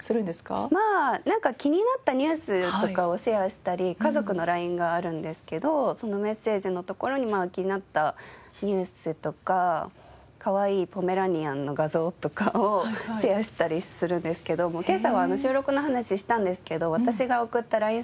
まあなんか気になったニュースとかをシェアしたり家族のＬＩＮＥがあるんですけどそのメッセージのところに気になったニュースとかかわいいポメラニアンの画像とかをシェアしたりするんですけど今朝は収録の話したんですけど私が送ったＬＩＮＥ